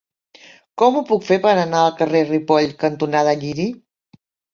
Com ho puc fer per anar al carrer Ripoll cantonada Lliri?